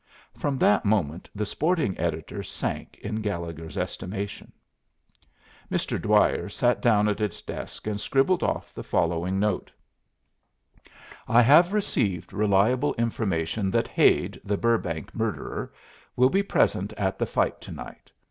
From that moment the sporting editor sank in Gallegher's estimation. Mr. Dwyer sat down at his desk and scribbled off the following note: I have received reliable information that Hade, the Burrbank murderer, will be present at the fight to night.